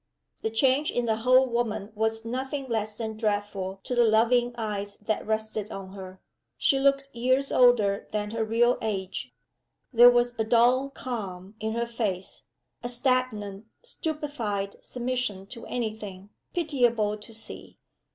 The change in the whole woman was nothing less than dreadful to the loving eyes that rested on her. She looked years older than her real age. There was a dull calm in her face, a stagnant, stupefied submission to any thing, pitiable to see.